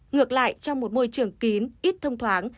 ngược lại trong một môi trường kín ít thông thoáng